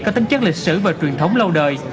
có tính chất lịch sử và truyền thống lâu đời